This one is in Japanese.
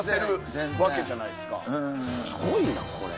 すごいなこれ。